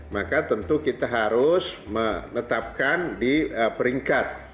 maka tentu kita harus menetapkan di peringkat